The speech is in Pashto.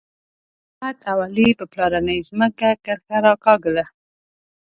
احمد او علي په پلارنۍ ځمکه کرښه راکاږله.